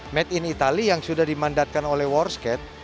made in italy yang sudah dimandatkan oleh warscat